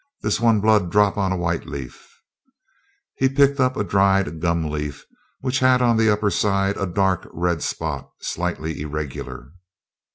This one blood drop longa white leaf.' Here he picked up a dried gum leaf, which had on the upper side a dark red spot, slightly irregular.